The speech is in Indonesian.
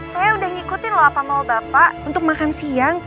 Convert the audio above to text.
saya udah ngikutin loh apa mau bapak untuk makan siang